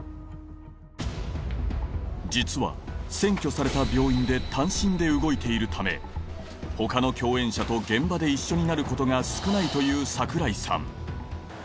実は占拠された病院で単身で動いているため他の共演者と現場で一緒になることが少ないという櫻井さん